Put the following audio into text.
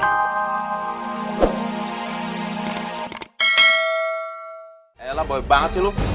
ayolah bobek banget sih lu